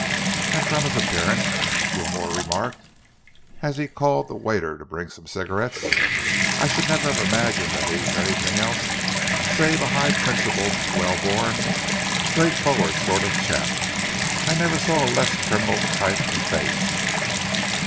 "And from his appearance," Wilmore remarked, as he called the waiter to bring some cigarettes, "I should never have imagined that he was anything else save a high principled, well born, straightforward sort of chap. I never saw a less criminal type of face."